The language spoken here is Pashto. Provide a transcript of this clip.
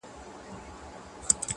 له دغي لويي وچي وځم.